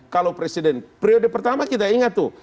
kalau presiden periode pertama kita ingat tuh